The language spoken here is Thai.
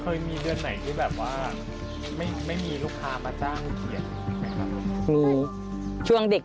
เคยมีเดือนไหนที่แบบว่าไม่มีลูกค้ามาจ้างเขียนไหมครับ